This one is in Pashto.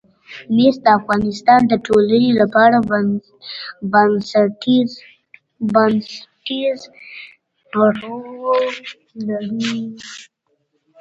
مس د افغانستان د ټولنې لپاره بنسټيز رول لري.